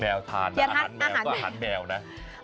แย่งคุณแมวทานอาหารแมวก็อาหารแมวนะ